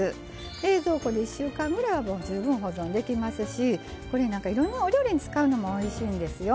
冷蔵庫に１週間ぐらいは十分保存できますしこれ、いろんなお料理に使うのもおいしいんですよ。